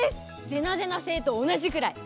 ゼナゼナせいとおなじくらい。